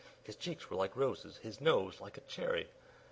His cheeks were like roses, his nose like a cherry!